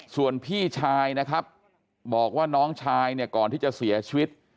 ส่วนพี่ชายนะครับบอกว่าน้องชายเนี่ยก่อนที่จะเสียชีวิต